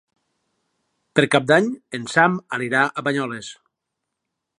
Per Cap d'Any en Sam anirà a Banyoles.